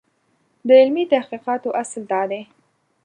د علمي تحقیقاتو اصل دا دی.